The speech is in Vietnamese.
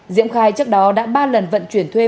diễm khai trước đó đã ba lần vận chuyển thuê